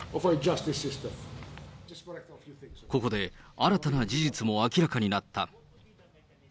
ここで新たな事実も明らかになった。